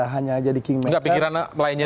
hanya jadi kingmaker enggak pikiran lainnya